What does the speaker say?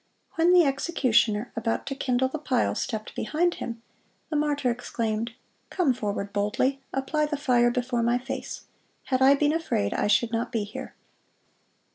When the executioner, about to kindle the pile, stepped behind him, the martyr exclaimed, "Come forward boldly; apply the fire before my face. Had I been afraid, I should not be here."